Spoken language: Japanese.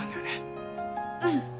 うん。